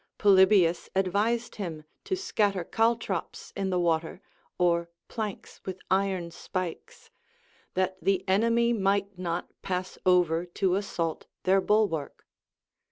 Polybius advised him to scatter caltropi! in the water, or planks with iron spikes, that the enemy might not pass over to assault their bulwark.